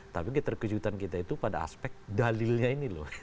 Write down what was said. tapi keterkejutan kita itu pada aspek dalilnya ini loh